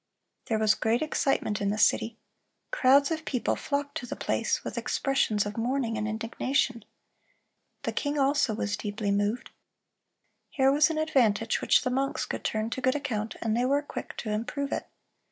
There was great excitement in the city. Crowds of people flocked to the place, with expressions of mourning and indignation. The king also was deeply moved. Here was an advantage which the monks could turn to good account, and they were quick to improve it.